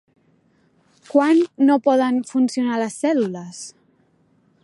Quan no poden funcionar les cèl·lules?